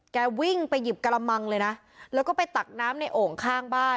วิ่งไปหยิบกระมังเลยนะแล้วก็ไปตักน้ำในโอ่งข้างบ้าน